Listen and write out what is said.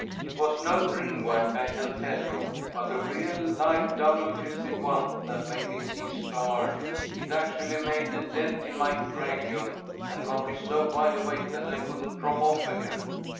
It was no dream whack, I can tell you, but a real live double fisted one, that made me see stars. It actually made a dent in my cranium and got me so wide awake that I couldn't drop off again.